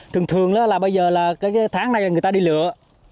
thường thường là bây giờ là cái tháng này là người ta đi lựa